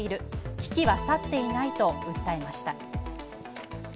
危機は去っていないと訴えました。